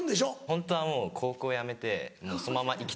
ホントはもう高校辞めてそのままいきたいな。